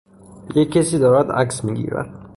یک کسی دارد عکس می گیرد.